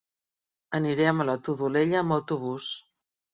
Anirem a la Todolella amb autobús.